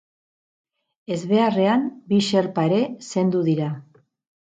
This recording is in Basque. Ezbeharrean, bi xerpa ere zendu dira.